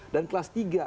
dan kelas tiga